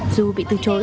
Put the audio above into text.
dù bị từ chối